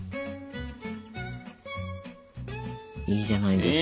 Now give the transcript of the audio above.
いいじゃないですか。